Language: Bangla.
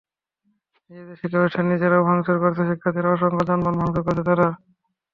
নিজেদের শিক্ষাপ্রতিষ্ঠান নিজেরা ভাঙচুর করেছেন শিক্ষার্থীরা, অসংখ্য যানবাহন ভাঙচুর করেছেন তাঁরা।